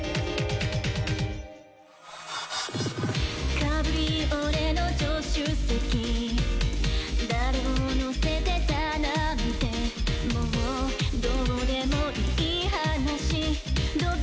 カブリオレの助手席誰を乗せてたなんてもうどうでもいい話